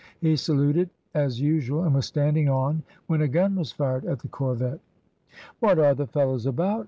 He saluted as usual, and was standing on, when a gun was fired at the corvette. "What are the fellows about!"